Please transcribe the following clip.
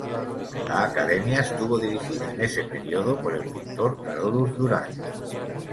La academia estuvo dirigida en ese periodo por el pintor Carolus-Duran.